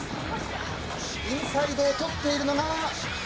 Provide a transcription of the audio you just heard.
インサイドを取っているのが中島チーム。